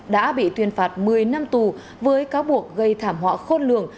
đã bị tuyên phạt một mươi năm tù với cáo buộc gây thảm họa khôn lường